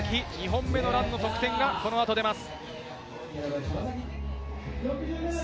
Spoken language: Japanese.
２本目のランの得点がこのあと出ます。